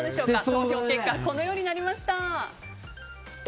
投票結果こうなりました。